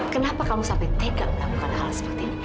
kenapa kamu sampai tegak melakukan hal seperti ini